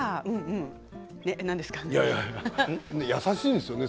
優しいですね。